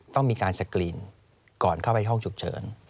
ต้องมีการสกรีนก่อนเข้าไปห้องฉุกเฉิน